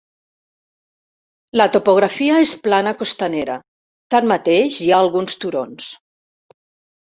La topografia és plana costanera; tanmateix hi ha alguns turons.